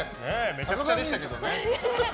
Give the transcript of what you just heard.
めちゃくちゃでしたけどね。